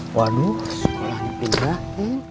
waduh sekolahnya pindahin